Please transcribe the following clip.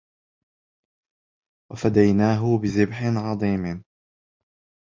وَفَدَيناهُ بِذِبحٍ عَظيمٍ